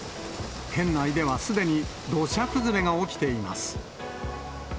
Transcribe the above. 県内ではすでに土砂崩れが起きています。